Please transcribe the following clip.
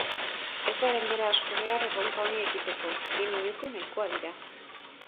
Ez da denbora asko behar erronka honi ekiteko, bi minutu nahikoa dira.